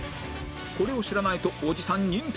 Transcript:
これを知らないとおじさん認定